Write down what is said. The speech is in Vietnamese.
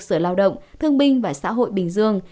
sở lao động thương binh và xã hội bình dương